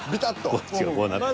こっちがこうなっても。